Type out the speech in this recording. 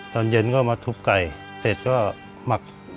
ตอนเย็นก็มาทุบไก่ติดก็หมักน้ำแข็งไว้